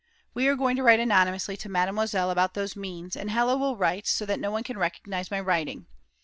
We are going to write anonymously to Mademoiselle about those means, and Hella will write, so that no one can recognise my writing.